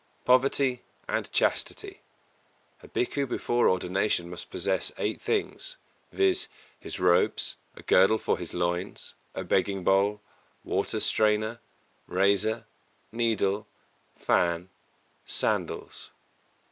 Poverty and Chastity. A Bhikkhu before ordination must possess eight things, viz., his robes, a girdle for his loins, a begging bowl, water strainer, razor, needle, fan, sandals.